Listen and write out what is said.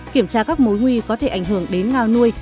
kiểm tra các mối nguy có thể ảnh hưởng đến ngao nuôi